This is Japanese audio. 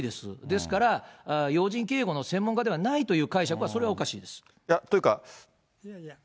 ですから、要人警護の専門家ではないという解釈は、それはおかしいや、というか。